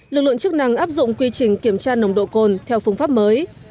lực lượng chức năng áp dụng quy trình kiểm tra nồng độ cồn theo phương pháp mới